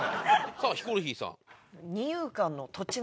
さあヒコロヒーさん。